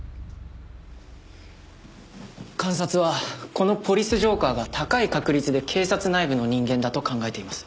監察はこの「ポリス浄化ぁ」が高い確率で警察内部の人間だと考えています。